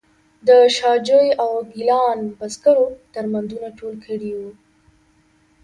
د شاه جوی او ګیلان بزګرو درمندونه ټول کړي وو.